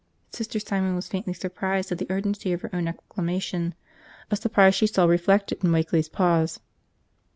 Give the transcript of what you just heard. Sister Simon was faintly surprised at the urgency of her own exclamation, a surprise she saw reflected in Wakeley's pause.